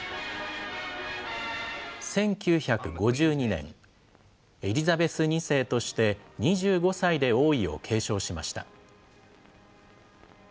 １９５２年、エリザベス２世として、２５歳で王位を継承しました。